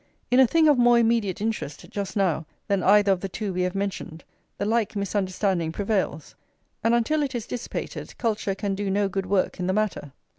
In a thing of more immediate interest, just now, than either of the two we have mentioned, the like misunderstanding prevails; and until it is dissipated, culture can do no good work in the matter.